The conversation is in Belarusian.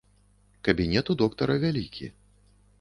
Кабінет у доктара вялікі.